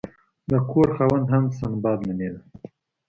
د کور خاوند هم سنباد نومیده.